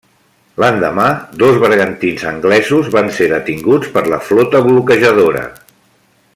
L'endemà, dos bergantins anglesos van ser detinguts per la flota bloquejadora.